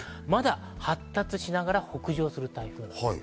発達しながら、北上する台風です。